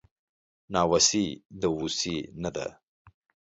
ناوسي دووسي نده